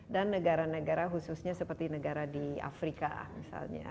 negara negara khususnya seperti negara di afrika misalnya